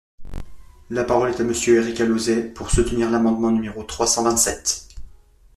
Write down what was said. La parole est à Monsieur Éric Alauzet, pour soutenir l’amendement numéro trois cent vingt-sept.